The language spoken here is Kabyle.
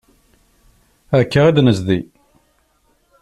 Akka i d-nezdi.